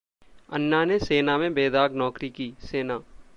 अन्ना ने सेना में बेदाग नौकरी की: सेना